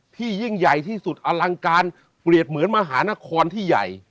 ยิ่งใหญ่ที่สุดอลังการเปรียบเหมือนมหานครที่ใหญ่